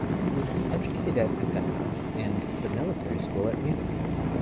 He was educated at Odessa and the military school at Munich.